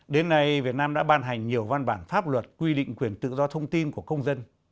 đến nay việt nam đã ban hành nhiều văn bản pháp luật quy định quyền tự do thông tin của công dân